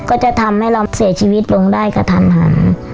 ก็จะทำให้เราเสียชีวิตลงได้กระทันหัน